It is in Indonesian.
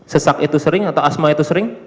sesak itu sering atau asma itu sering